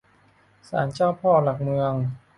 ศาลเจ้าพ่อหลักเมือง